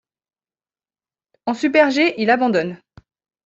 En super G, il abandonne.